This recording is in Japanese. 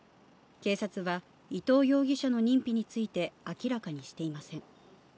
警察は伊藤容疑者の認否について明らかにしていません。